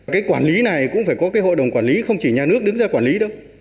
cái quản lý này cũng phải có cái hội đồng quản lý không chỉ nhà nước đứng ra quản lý đâu